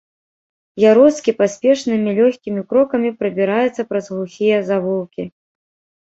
Яроцкі паспешнымі лёгкімі крокамі прабіраецца праз глухія завулкі.